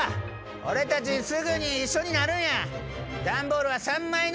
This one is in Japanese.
俺たちすぐに一緒になるんや！